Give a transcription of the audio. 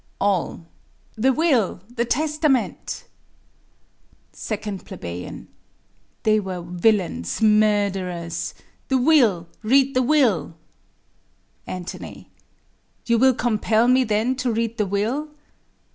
All. The will! the testament! 2 Ple. They were villains, murtherers! The will! Read the will! Ant. You will compel me then to read the will?